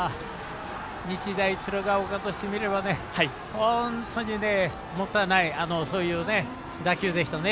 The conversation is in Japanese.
日大鶴ヶ丘としてみれば本当にもったいないそういう打球でしたね。